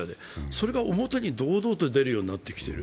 それが表に堂々と出るようになっている。